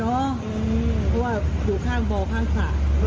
เพราะว่าอยู่ข้างบ่อข้างสระ